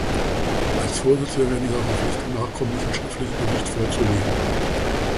Als Vorsitz werden wir dieser Verpflichtung nachkommen, diesen schriftlichen Bericht vorzulegen.